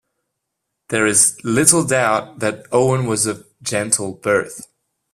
There is little doubt that Owen was of gentle birth.